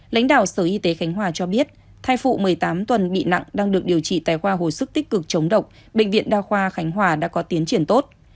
lãnh đạo sở y tế khánh hòa cho biết thai phụ một mươi tám tuần bị nặng đang được điều trị tại khoa hồi sức tích cực chống độc bệnh viện đa khoa khánh hòa đã có tiến triển tốt